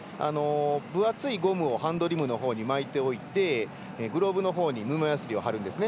分厚いゴムをハンドリムのほうに巻いておいてグローブのほうに布やすりを貼るんですね。